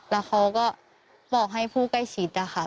แล้วเขาก็บอกให้ผู้ใกล้ชิดนะคะ